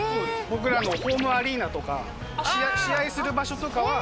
僕らのホームアリーナとか試合する場所とかは。